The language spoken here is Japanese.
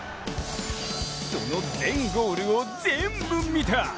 その全ゴールをぜんぶ見た。